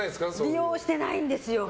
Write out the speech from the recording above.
利用してないんですよ。